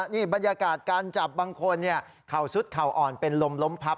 นี่บรรยากาศการจับบางคนเข่าซุดเข่าอ่อนเป็นลมล้มพับ